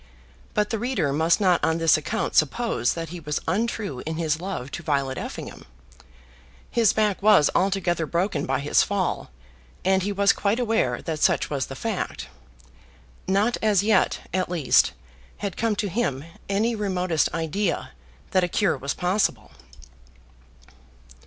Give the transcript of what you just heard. But the reader must not on this account suppose that he was untrue in his love to Violet Effingham. His back was altogether broken by his fall, and he was quite aware that such was the fact. Not as yet, at least, had come to him any remotest idea that a cure was possible.